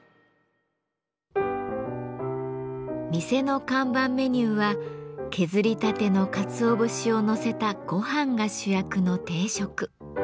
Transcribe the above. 店の看板メニューは削りたてのかつお節を載せたごはんが主役の定食。